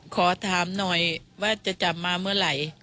ขอถามหน่อยว่าจะจับมาเมื่อไหร่